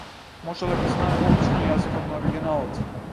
Може да го знае одлично јазикот на оригиналот.